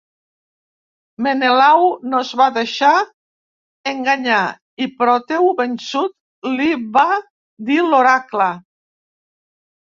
Menelau no es va deixar enganyar, i Proteu, vençut, li va dir l'oracle.